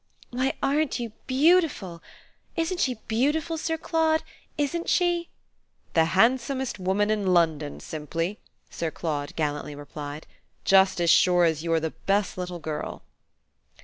"Why, aren't you beautiful? Isn't she beautiful, Sir Claude, ISN'T she?" "The handsomest woman in London, simply," Sir Claude gallantly replied. "Just as sure as you're the best little girl!"